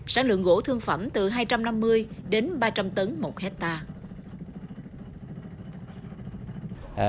sản lượng gỗ thương phẩm từ hai trăm năm mươi đến ba trăm linh tấn một hectare